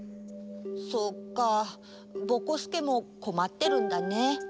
そっかぼこすけもこまってるんだね。